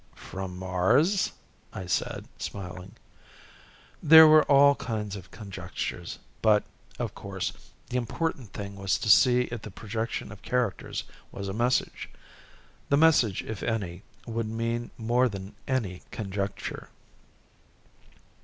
"From Mars?" I said, smiling. "There were all kinds of conjectures, but, of course, the important thing was to see if the projection of characters was a message. The message, if any, would mean more than any conjecture."